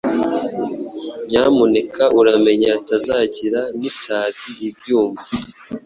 Nyamuneka uramenye hatazagira n’isazi ibyumva!